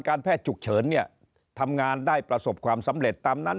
แพทย์ฉุกเฉินเนี่ยทำงานได้ประสบความสำเร็จตามนั้น